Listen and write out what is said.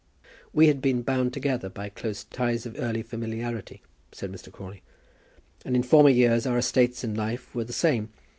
"We had been bound together by close ties of early familiarity," said Mr. Crawley, "and in former years our estates in life were the same.